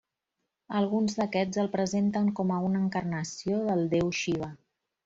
Alguns d'aquests el presenten com a una encarnació del déu Xiva.